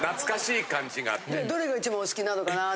どれが一番お好きなのかなと。